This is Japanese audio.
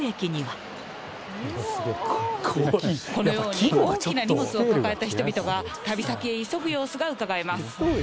このように、大きな荷物を抱えた人々が旅先へ急ぐ様子が伺えます。